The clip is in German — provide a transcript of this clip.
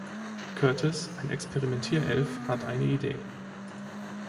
Curtis, ein Experimentier-Elf, hat eine Idee.